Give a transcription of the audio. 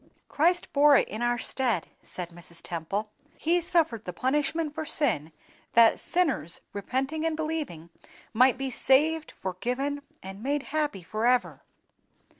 "Christ bore it in our STEAD," said Mrs. Temple; "He suffered the punishment for sin, that sinners, repenting and believing, might be saved, forgiven, and made happy forever."